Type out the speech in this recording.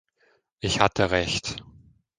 Ich hatte Recht.